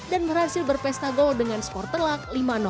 dan berhasil berpesta gol dengan skor telak lima